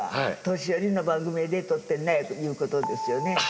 年寄りの番組へ出とってないということですよね。